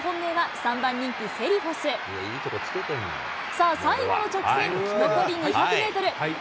さあ、最後の直線、残り２００メートル。